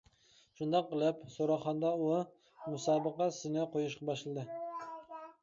شۇنداق قىلىپ، سوراقخانىدا ئۇ مۇسابىقە سىنى قويۇلۇشقا باشلىدى.